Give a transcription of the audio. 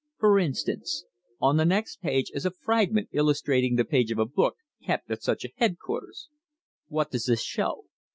For instance, on the next page is a fragment illustrating the page of a book kept at such a headquarters. What does this show?